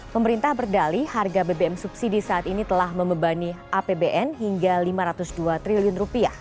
pemerintah berdali harga bbm subsidi saat ini telah membebani apbn hingga rp lima ratus dua triliun